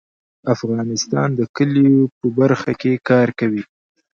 افغانستان د کلیو په برخه کې کار کوي.